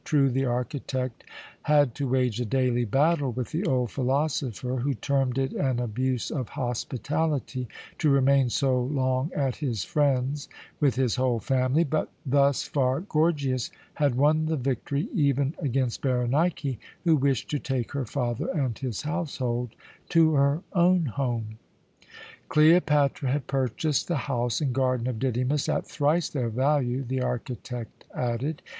True, the architect had to wage a daily battle with the old philosopher, who termed it an abuse of hospitality to remain so long at his friend's with his whole family; but thus far Gorgias had won the victory, even against Berenike, who wished to take her father and his household to her own home. Cleopatra had purchased the house and garden of Didymus at thrice their value, the architect added.